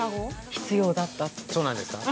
必要だった◆そうなんですか。